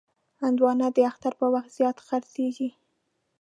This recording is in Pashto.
هندوانه د اختر پر وخت زیات خرڅېږي.